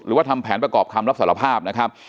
ทำแผนประกอบคำรับสารภาพนะครับ